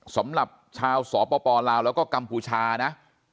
สำหรับชาวสปลาวแล้วก็กัมพูชานะ